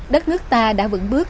đất nước ta đã vững bước